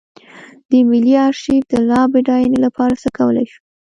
د ملي ارشیف د لا بډاینې لپاره څه کولی شو.